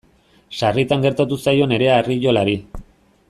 Sarritan gertatu zaio Nerea Arriolari.